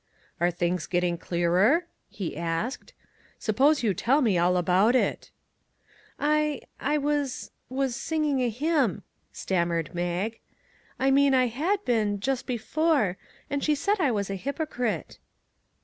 "Are things getting clearer?" he asked. " Suppose you tell me all about it ?"" I I was was singing a hymn," stam mered Mag. " I mean I had been, just before, and she said I was a hypocrite."